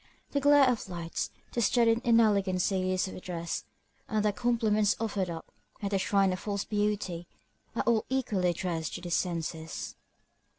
The glare of lights, the studied inelegancies of dress, and the compliments offered up at the shrine of false beauty, are all equally addressed to the senses.